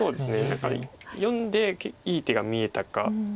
何か読んでいい手が見えたか。